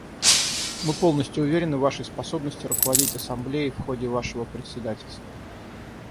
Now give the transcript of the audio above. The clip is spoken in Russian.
Мы полностью уверены в Вашей способности руководить Ассамблеей в ходе Вашего председательства.